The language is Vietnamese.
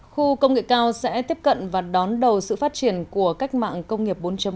khu công nghệ cao sẽ tiếp cận và đón đầu sự phát triển của cách mạng công nghiệp bốn